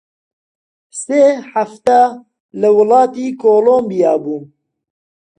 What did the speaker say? سێ حەفتە لە وڵاتی کۆڵۆمبیا بووم